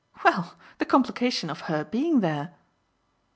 "Well, the complication of her being there."